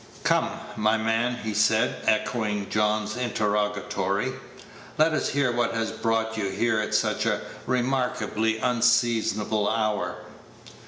"Come, my man," he said, echoing John's interrogatory, "let us hear what has brought you here at such a remarkably unseasonable hour."